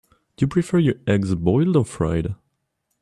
Do you prefer your eggs boiled or fried?